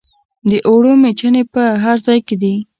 د اوړو میچنې په هر ځای کې دي.